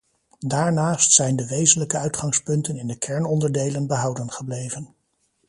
Daarnaast zijn de wezenlijke uitgangspunten in de kernonderdelen behouden gebleven.